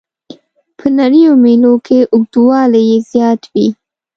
په نریو میلو کې اوږدوالی یې زیات وي.